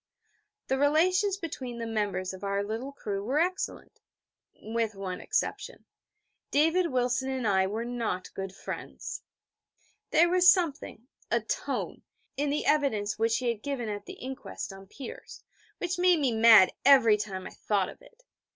The relations between the members of our little crew were excellent with one exception: David Wilson and I were not good friends. There was a something a tone in the evidence which he had given at the inquest on Peters, which made me mad every time I thought of it.